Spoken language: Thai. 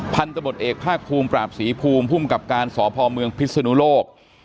พันธบทเอกภาคภูมิปราบศรีภูมิภูมิกับการสพเมืองพิศนุโลก